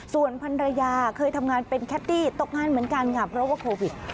ส่วนพันรยาเคยทำงานเป็นแคตตี้ตกงานเหมือนกันค่ะเพราะว่าโควิด